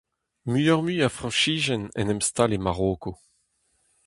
Muioc'h-mui a Frañsizien en em stailh e Maroko.